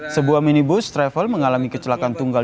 sebuah minibus travel mengalami kecelakaan tunggal